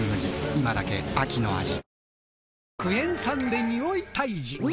今だけ秋の味